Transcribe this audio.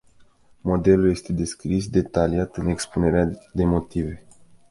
Modelul este descris detaliat în expunerea de motive.